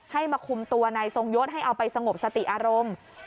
มาคุมตัวนายทรงยศให้เอาไปสงบสติอารมณ์